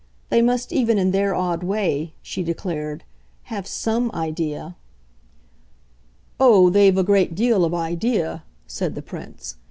They must even in their odd way," she declared, "have SOME idea." "Oh, they've a great deal of idea," said the Prince.